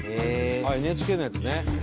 「ＮＨＫのやつね」